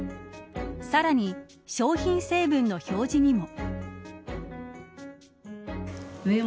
さらに商品成分の表示にも。